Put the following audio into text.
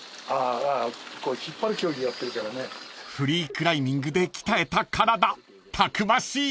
［フリークライミングで鍛えた体たくましい！］